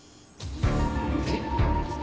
えっ。